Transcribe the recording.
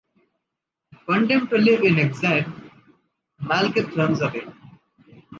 Condemned to live in exile, Malekith runs away.